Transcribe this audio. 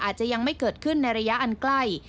อาจจะยังไม่เกิดขึ้นในระยะอันใกล้